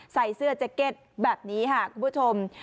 ใส่เสื้อแจ็คเก็ตแบบนี้ค่ะคุณผู้ชม